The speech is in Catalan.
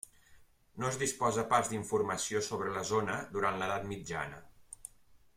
No es disposa pas d'informació sobre la zona durant l'edat mitjana.